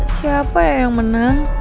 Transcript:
siapa yang menang